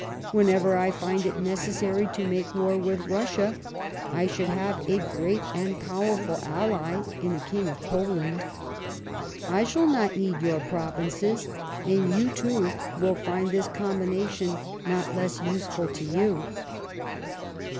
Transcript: Whenever 1 find it necessary to make war witli Russia, I should liave a great and powerful ally in a King of Poland. I shall not need your provinces, and you too will find this combination not less useful to you."